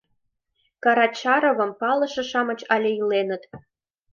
Карачаровым палыше-шамыч але иленыт.